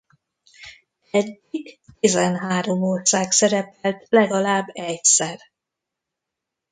Eddig tizenhárom ország szerepelt legalább egyszer.